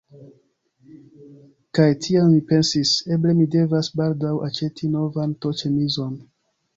Kaj tiam mi pensis: eble mi devas baldaŭ aĉeti novan t-ĉemizon.